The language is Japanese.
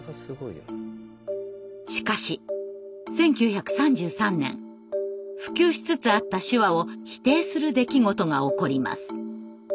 しかし１９３３年普及しつつあった手話を否定する出来事が起こります。